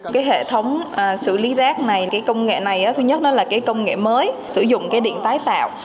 cái hệ thống xử lý rác này cái công nghệ này thứ nhất nó là cái công nghệ mới sử dụng cái điện tái tạo